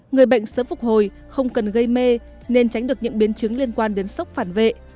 người bệnh sớm phục hồi không cần gây mê nên tránh được những biến chứng liên quan đến sốc phản vệ